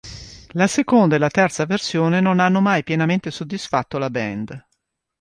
La seconda e la terza versione non hanno mai pienamente soddisfatto la band.